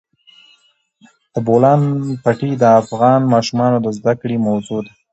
د بولان پټي د افغان ماشومانو د زده کړې موضوع ده.